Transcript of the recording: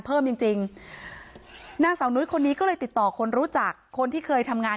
เพราะไม่มีเงินไปกินหรูอยู่สบายแบบสร้างภาพ